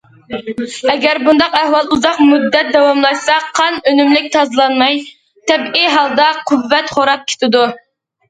ئەگەر بۇنداق ئەھۋال ئۇزاق مۇددەت داۋاملاشسا، قان ئۈنۈملۈك تازىلانماي، تەبىئىي ھالدا قۇۋۋەت خوراپ كېتىدۇ.